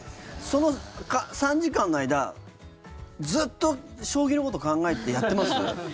その３時間の間、ずっと将棋のこと考えてやってます？